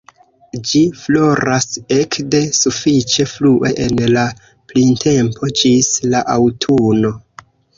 Ĝi floras ekde sufiĉe frue en la printempo ĝis la aŭtuno.